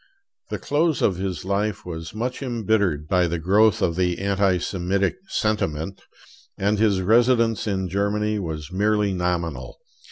The close of his life was much embittered by the growth of the anti Semitic sentiment; and his residence in Germany was merely nominal.